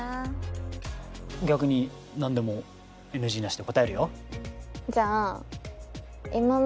逆になんでもＮＧなしで答えるよ。